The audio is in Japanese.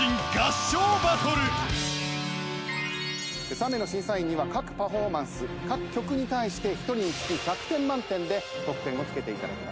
３名の審査員には各パフォーマンス各曲に対して１人につき１００点満点で得点をつけていただきます。